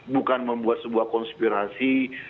bukan membuat sebuah konspirasi